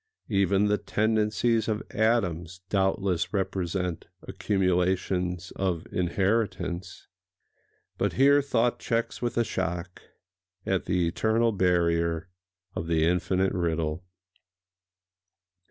Even the tendencies of atoms doubtless represent accumulations of inheritance—— but here thought checks with a shock at the eternal barrier of the Infinite Riddle.